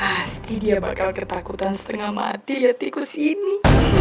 pasti dia bakal ketakutan setengah mati liat ikut sini